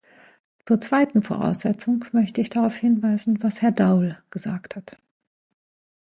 Zur zweiten Voraussetzung möchte ich darauf hinweisen, was Herr Daul gesagt hat.